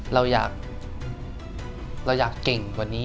เราอยากเก่งกว่านี้